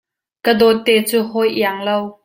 Ka dawtte cu hawi iang lo.